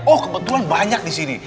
oh kebetulan banyak disini